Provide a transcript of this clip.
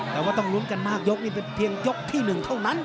แต่ว่าต้องลุ้นกันมากยกนี่เป็นเพียงยกที่๑เท่านั้น